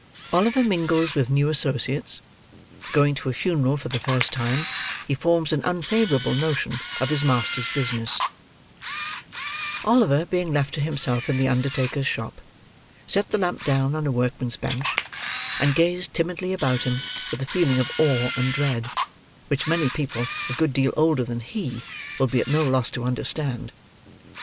OLIVER MINGLES WITH NEW ASSOCIATES. GOING TO A FUNERAL FOR THE FIRST TIME, HE FORMS AN UNFAVOURABLE NOTION OF HIS MASTER'S BUSINESS Oliver, being left to himself in the undertaker's shop, set the lamp down on a workman's bench, and gazed timidly about him with a feeling of awe and dread, which many people a good deal older than he will be at no loss to understand.